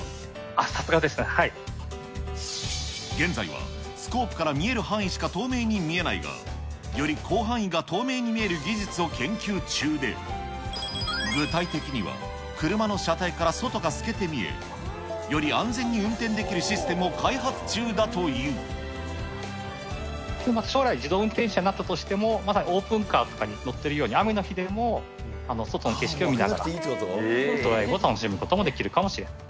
あっ、さすがですね、現在はスコープから見える範囲しか透明に見えないが、より広範囲が透明に見える技術を研究中で、具体的には、車の車体から外が透けて見え、より安全に運転できるシステムを将来、自動運転車になったとしても、まさにオープンカーとかに乗ってるように、雨の日でも外の景色を見ながら、ドライブを楽しむこともできるかもしれない。